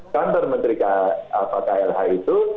kantor menteri klh itu